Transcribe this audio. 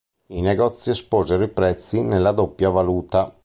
I negozi esposero i prezzi nella doppia valuta.